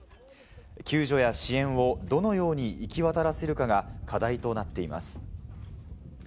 救助や支援をどのように行き渡らせるかが、課題となっています。